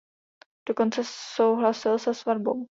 Dokonce souhlasil se svatbou.